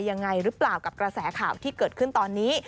ยังไงหรือเปล่ากับกระแสข่าวที่เกิดขึ้นตอนนี้